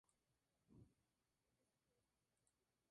La película exigía que el vestuario se realizará en un plazo muy corto.